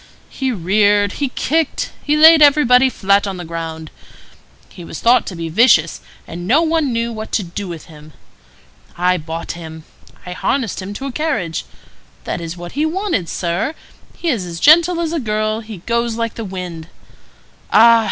He reared, he kicked, he laid everybody flat on the ground. He was thought to be vicious, and no one knew what to do with him. I bought him. I harnessed him to a carriage. That is what he wanted, sir; he is as gentle as a girl; he goes like the wind. Ah!